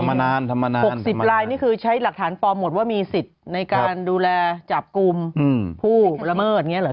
มานานทำมานาน๖๐ลายนี่คือใช้หลักฐานปลอมหมดว่ามีสิทธิ์ในการดูแลจับกลุ่มผู้ละเมิดอย่างนี้เหรอ